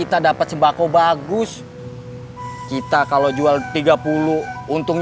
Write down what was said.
ternyata sembako nya bagus kayak di cibarengko